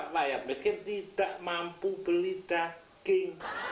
rakyat miskin tidak mampu beli daging